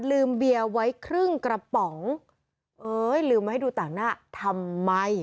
เบียร์ไว้ครึ่งกระป๋องเอ้ยลืมมาให้ดูต่างหน้าทำไม